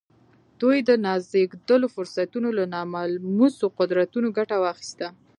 دوی د نازېږېدلو فرصتونو له ناملموسو قدرتونو ګټه واخيسته.